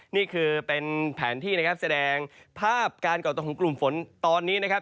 นี่คือเป็นแผนที่แสดงภาพการเป็นของกลุ่มฝนตอนนี้นะครับ